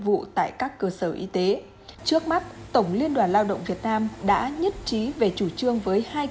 vụ tại các cơ sở y tế trước mắt tổng liên đoàn lao động việt nam đã nhất trí về chủ trương với hai